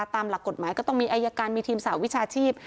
ตามหลักกฎหมายก็ต้องมีอายการมีทีมสาวิชาชีพ